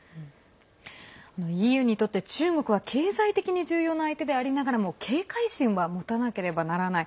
ＥＵにとって中国は経済的に重要な相手でありながらも警戒心は持たなければならない。